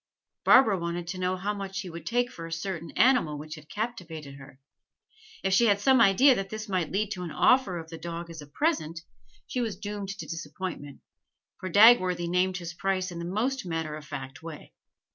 Barbara wanted to know how much he would take for a certain animal which had captivated her; if she had some idea that this might lead to an offer of the dog as a present, she was doomed to disappointment, for Dagworthy named his price in the most matter of fact way.